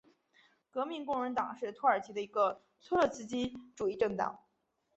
革命工人党是土耳其的一个托洛茨基主义政党。